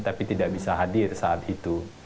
tapi tidak bisa hadir saat itu